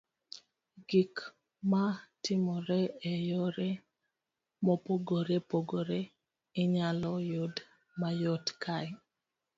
Gik ma timore e yore mopogore mopogore inyalo yud mayot kae.